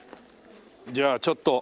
じゃあちょっと。